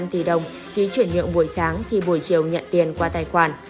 một trăm một mươi năm tỷ đồng khi chuyển nhượng buổi sáng thì buổi chiều nhận tiền qua tài khoản